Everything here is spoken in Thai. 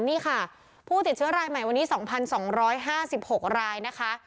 นี่ค่ะผู้ติดเชื้อรายใหม่วันนี้๒๒๕๖รายนะคะ